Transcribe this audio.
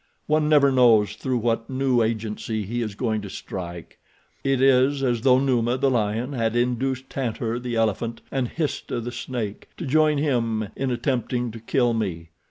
One never knows through what new agency he is going to strike. It is as though Numa, the lion, had induced Tantor, the elephant, and Histah, the snake, to join him in attempting to kill me.